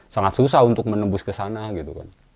sangat susah untuk menembus ke sana gitu kan